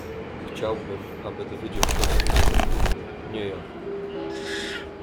"Chciałbym aby dowiedział się o nim ktoś inny, nie ja."